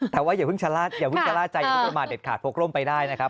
แต่ว่าอย่าเพิ่งชะล่าใจอย่างบประมาณเด็ดขาดพกร่มไปได้นะครับ